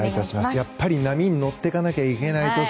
やっぱり波に乗っていかないといけない年。